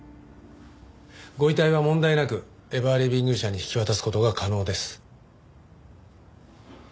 ご遺体は問題なくエバーリビング社に引き渡す事が可能です。